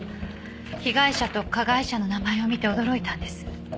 被害者と加害者の名前を見て驚いたんです。